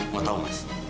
mau tau mas